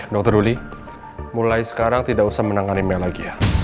dokter ruli mulai sekarang tidak usah menangani mel lagi ya